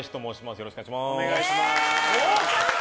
よろしくお願いします。